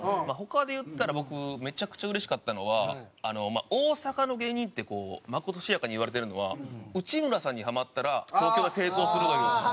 まあ他で言ったら僕めちゃくちゃうれしかったのは大阪の芸人ってまことしやかにいわれてるのは「内村さんにハマったら東京は成功する」という。